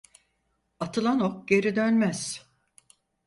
Atılan ok geri dönmez.